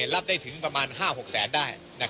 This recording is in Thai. รับได้ถึงประมาณ๕๖แสนได้